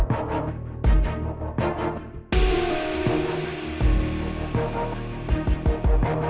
jangan menempatkan dipotong di sana